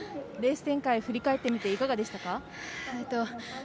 レース展開、振り返ってみていかがですか？